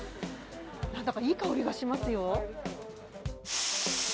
なんだかいい香りがしますよ。